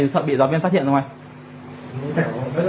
xong cật này bị giáo viên phát hiện đúng không anh